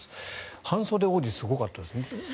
半袖王子、すごかったですね。